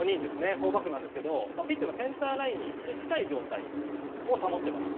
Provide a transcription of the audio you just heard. フォーバックなんですけど、ピッチのセンターラインに非常に高い位置を保っています。